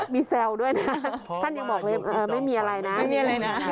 มีแซวด้วยนะท่านยังบอกเลยไม่มีอะไรนะไม่มีอะไรนะ